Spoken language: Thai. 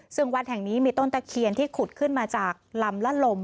ซึ่งวัดแห่งนี้มีต้นตะเคียนที่ขุดขึ้นมาจากลำละลม